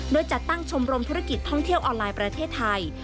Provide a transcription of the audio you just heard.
โดยจัดตั้งชมรมธุรกิจท่องเที่ยวออนไลน์ประเทศไทย